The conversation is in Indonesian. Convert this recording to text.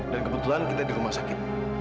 dan kebetulan kita di rumah sakit